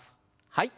はい。